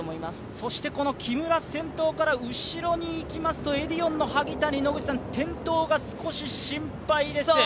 そして木村、先頭から後ろへ行きますとエディオンの萩谷、転倒が少し心配です。